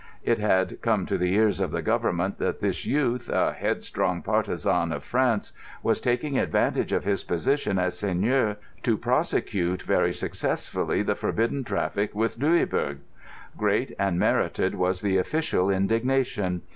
It had come to the ears of the Government that this youth, a headstrong partisan of France, was taking advantage of his position as seigneur to prosecute very successfully the forbidden traffic with Louisbourg. Great and merited was the official indignation.